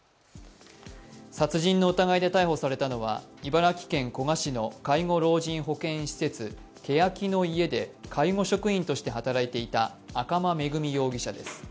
殺人の疑いで逮捕されたのは、茨城・古河市の介護老人保健施設けやきの舎で介護職員として働いていた赤間恵美容疑者です。